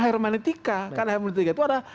hermeneutika karena hermeneutika itu ada